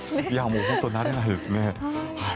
本当に慣れないですね。